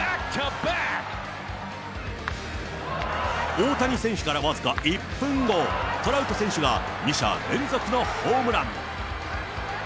大谷選手から僅か１分後、トラウト選手が、２者連続のホームラン。